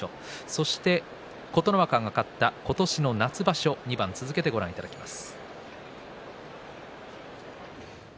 そして琴ノ若が勝った今年の夏場所２番続けてご覧いただきます。